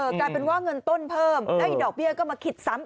กลายเป็นว่าเงินต้นเพิ่มได้ดอกเบี้ยก็มาคิดซ้ำ